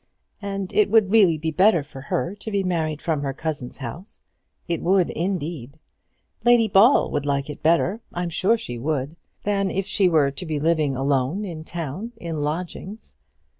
And it would really be better for her to be married from her cousin's house; it would, indeed. Lady Ball would like it better I'm sure she would than if she were to be living alone in the town in lodgings.